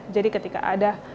jadi ketika ada